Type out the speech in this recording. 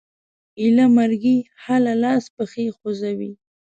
ایله مرګي حاله لاس پښې خوځوي